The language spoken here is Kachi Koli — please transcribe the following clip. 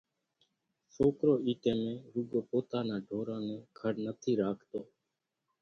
سوڪرو اِي ٽيمين روڳو پوتا نان ڍوران نين کڙ نٿي راکتو۔